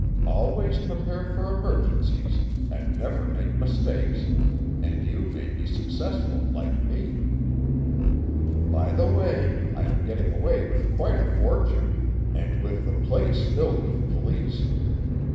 Always prepare for emergencies and never make mistakes, and you may be successful, like me. By the way, I am getting away with quite a fortune, and with the place filled with police.